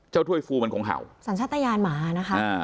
เจ้าถ้วยฟูมันคงเห่าสัญชาตาญาณหมานะคะอ่า